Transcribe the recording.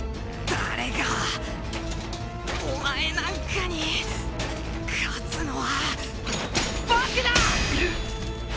誰がお前なんかに勝つのは僕だ！